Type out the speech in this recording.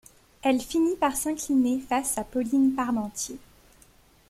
Elle finit par s'incliner face à Pauline Parmentier.